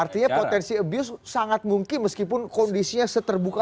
artinya potensi abuse sangat mungkin meskipun kondisinya seterbuka